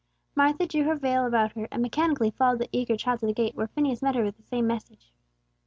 Martha drew her veil about her, and mechanically followed the eager child to the gate, where Phineas met her with the same message.